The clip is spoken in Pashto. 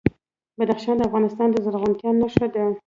بدخشان د افغانستان د زرغونتیا نښه ده.